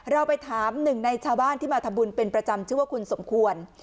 เราไปถามหนึ่งในชาวบ้านที่มาทำบุญเป็นประจำชื่อว่าคุณสมควร